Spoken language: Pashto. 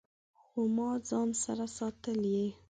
خو ما ځان سره ساتلي